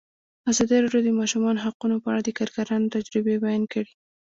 ازادي راډیو د د ماشومانو حقونه په اړه د کارګرانو تجربې بیان کړي.